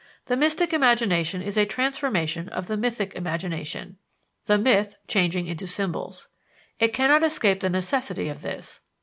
The mystic imagination is a transformation of the mythic imagination, the myth changing into symbols. It cannot escape the necessity of this.